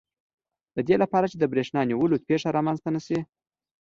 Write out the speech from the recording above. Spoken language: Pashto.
د دې لپاره چې د بریښنا نیولو پېښه رامنځته نه شي.